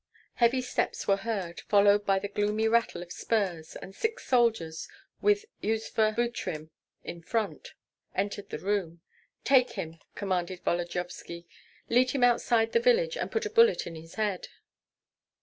Heavy steps were heard, followed by the gloomy rattle of spurs; and six soldiers, with Yuzva Butrym in front, entered the room. "Take him!" commanded Volodyovski, "lead him outside the village and put a bullet in his head."